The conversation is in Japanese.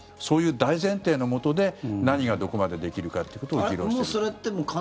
そういう大前提のもとで何がどこまでできるかということを議論している。